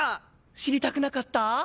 知りたくなかった？